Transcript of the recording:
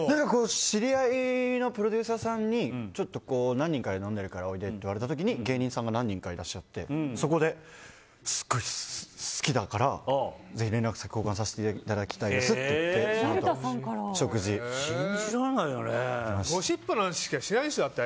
知り合いのプロデューサーさんに何人かで飲んでるからおいでって言われた時に芸人さんが何人かいらっしゃってそこですごい好きだからぜひ連絡先を交換させていただきたいですと言ってゴシップしか知らないでしょ。